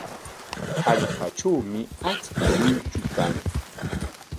Hallqatrawmi achka luychu kan.